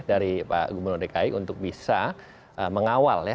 dari pak gubernur dki untuk bisa mengawal ya